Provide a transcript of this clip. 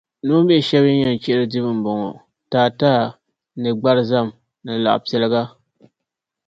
Noombihi shɛb’ yi ni yɛn chihiri dibu m-bɔŋɔ: taataa ni gbarizam ni laɣipiɛliga.